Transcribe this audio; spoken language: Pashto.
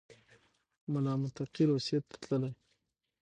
ملا متقي روسیې ته تللی